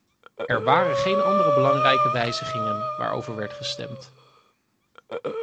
Er waren geen andere belangrijke wijzigingen waarover werd gestemd.